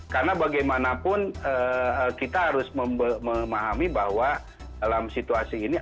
karena bagaimanapun kita harus memahami bahwa dalam situasi ini